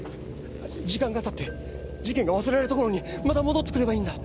時間が経って事件が忘れられた頃にまた戻ってくればいいんだ。